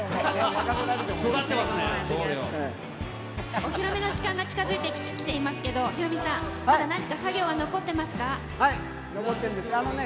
お披露目の時間が近づいてきていますけれども、ヒロミさん、今何か作業は残ってますか？